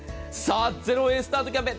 ０円スタートキャンペーン。